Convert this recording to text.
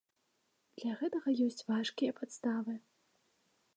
Для гэтага ёсць важкія падставы.